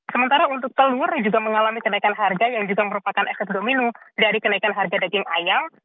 semenara untuk telur mengalami kenaikan harga yang merupakan aset domino dari kenaikan harga daging ayam